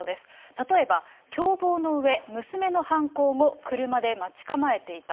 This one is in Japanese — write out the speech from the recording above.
例えば、共謀のうえ、娘の犯行後、車で待ち構えていた。